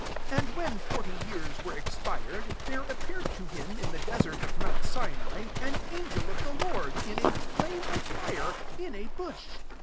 30 "And when forty years were expired, there appeared' to him in the desert of mount Sinai, an angel [of the Lord J in a flame of fire, in a bush.